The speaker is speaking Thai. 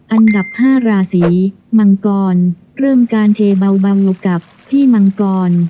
อันดับ๕ราศีมังกรเริ่มการเทเบากับพี่มังกร